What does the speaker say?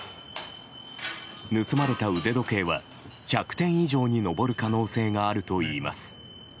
盗まれた腕時計は１００点以上に上る可能性があるといいます。